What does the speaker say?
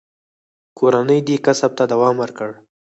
کورنۍ دې کسب ته دوام ورکړ.